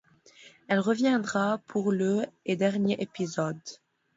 Elle reviendra pour le et dernier épisode.